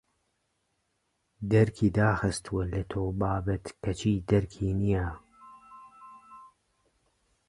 دەرکی داخستووە لە تۆ بابت کەچی دەرکی نییە